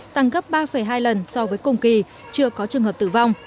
tăng gấp ba hai lần so với cùng kỳ chưa có trường hợp tử vong